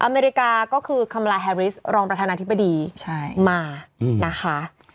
อเมริกาก็คือคำลาแฮริสรองประธานาธิบดีมานะคะ